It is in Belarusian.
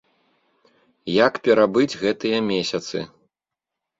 Як перабыць гэтыя месяцы?